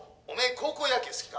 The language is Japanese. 高校野球好きか？」